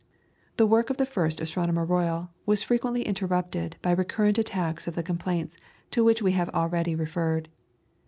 The work of the first Astronomer Royal was frequently interrupted by recurrent attacks of the complaints to which we have already referred.